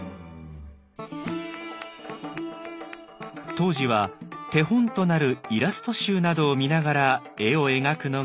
当時は手本となるイラスト集などを見ながら絵を描くのが一般的。